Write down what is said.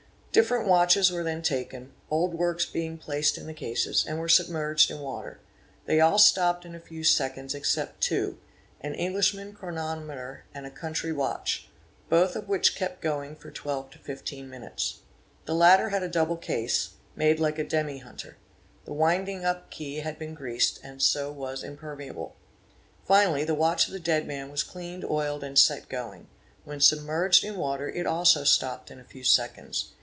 Different watches were then taken, old works being placed in the cases, and were submerged in water; they all stopped _ in a few seconds, except two—an Englishman chronometer and a country — watch—both of which kept going for 12 to 15 minutes. The latter had a double case, made like a demi hunter. The winding up key had been greased, and so was impermeable. Finally the watch of the dead man was cleaned, oiled, and set going; when submerged in water it also stop ped in a few seconds.